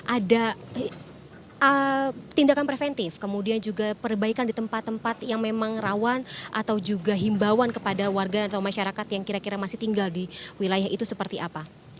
ada tindakan preventif kemudian juga perbaikan di tempat tempat yang memang rawan atau juga himbawan kepada warga atau masyarakat yang kira kira masih tinggal di wilayah itu seperti apa